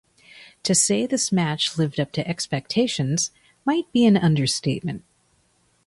To say this match lived up to expectations might be an understatement.